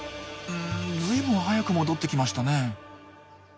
ずいぶん早く戻ってきましたね。